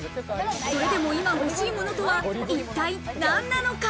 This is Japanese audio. それでも今欲しいものとは一体何なのか？